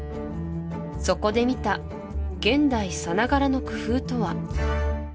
そこで見た現代さながらの工夫とは？